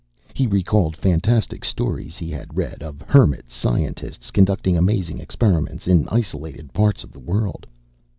He recalled fantastic stories he had read, of hermit scientists conducting amazing experiments in isolated parts of the world.